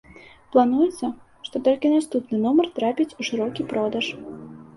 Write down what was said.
Плануецца, што толькі наступны нумар трапіць у шырокі продаж.